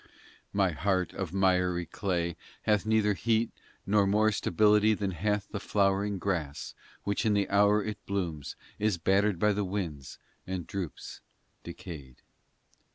My heart of miry clay Hath neither heat, nor more stability Than hath the flowering grass Which in the hour it blooms Is battered by the winds and droops decayed.